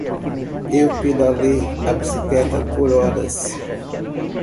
Eu pedalei a bicicleta por horas.